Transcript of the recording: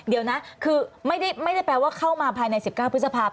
เดี๋ยวนะคือไม่ได้แปลว่าเข้ามาภายใน๑๙พฤษภาพ